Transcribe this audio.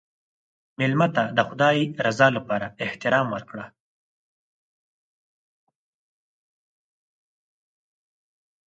مېلمه ته د خدای رضا لپاره احترام ورکړه.